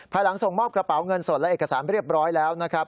หลังส่งมอบกระเป๋าเงินสดและเอกสารเรียบร้อยแล้วนะครับ